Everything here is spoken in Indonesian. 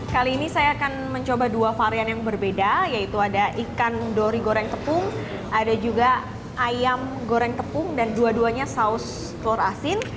kali ini saya akan mencoba dua varian yang berbeda yaitu ada ikan dori goreng tepung ada juga ayam goreng tepung dan dua duanya saus telur asin